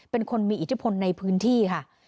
เป็นคนมีอิทธิพลในพื้นที่ค่ะ